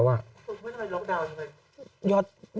มันทำไมล็อกดาวน์อยู่ไหน